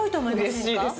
嬉しいです